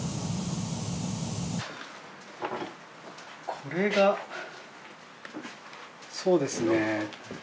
これがそうですね。